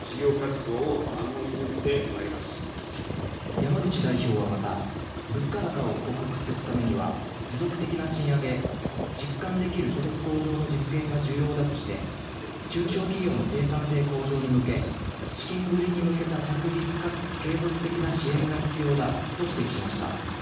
山口代表はまた、物価高を克服するためには、持続的な賃上げ、実感できる所得向上の実現が重要だとして、中小企業の生産性向上に向け、資金繰りに向けた着実かつ継続的な支援が必要だと指摘しました。